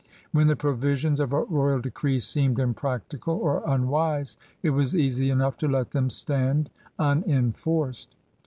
When the provisions of a royal decree seemed impractical or imwise, it was easy enough to let them stand unenforced.